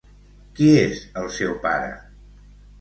Qui és el seu pare?